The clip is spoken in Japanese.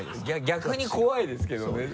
逆に怖いですけどね。